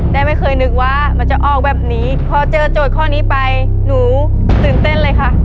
แต่ไม่เคยนึกว่ามันจะออกแบบนี้พอเจอโจทย์ข้อนี้ไปหนูตื่นเต้นเลยค่ะ